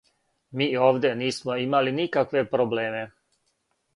Ми овде нисмо имали никакве проблеме.